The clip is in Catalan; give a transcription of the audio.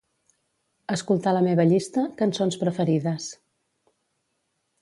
Escoltar la meva llista "cançons preferides".